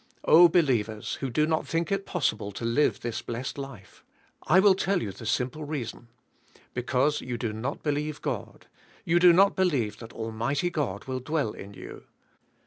Oh believ ers who do not think it possible to live this blessed life. I will tell you the simple reason. Because you do not believe God, do not believe that Almighty God will dv/ell iti you.